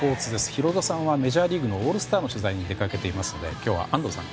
ヒロドさんはメジャーリーグのオールスターの取材に出かけていますので今日は安藤さん